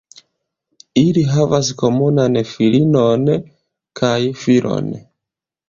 Ili havas komunan filinon kaj filon.